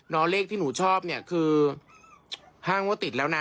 เนาะเลขที่หนูชอบเนี่ยคือ๕งวดติดแล้วนะ